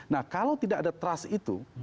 nah kalau tidak ada trust itu